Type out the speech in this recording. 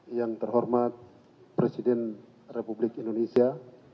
yang terhormat presiden republik indonesia